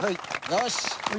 よし！